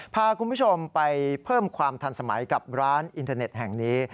พาคุณผู้ชมไปเพิ่มความทันสมัยกับร้านอินเทอร์เน็ตแห่งนี้